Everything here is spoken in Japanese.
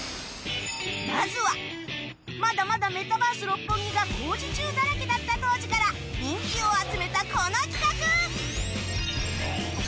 まずはまだまだメタバース六本木が工事中だらけだった当時から人気を集めたこの企画！